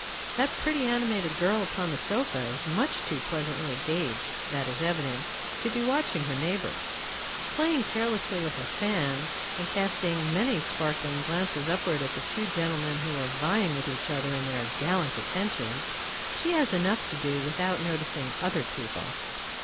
That pretty, animated girl upon the sofa is much too pleasantly engaged, that is evident, to be watching her neighbors. Playing carelessly with her fan, and casting many sparkling glances upward at the two gentlemen who are vying with each other in their gallant attentions, she has enough to do without noticing other people.